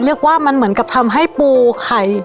เรียกว่ามันเหมือนกับทำให้ปูไข่